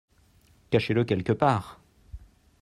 Cachez le quelque part.